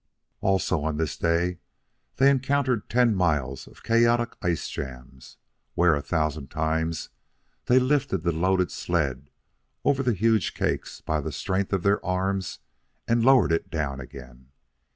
Also, on this day, they encountered ten miles of chaotic ice jams, where, a thousand times, they lifted the loaded sled over the huge cakes by the strength of their arms and lowered it down again.